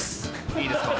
いいですか？